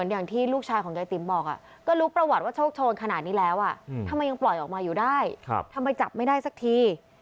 อย่างที่ลูกชายของยายติ๋มบอกก็รู้ประวัติว่าโชคโชนขนาดนี้แล้วทำไมยังปล่อยออกมาอยู่ได้ทำไมจับไม่ได้สักที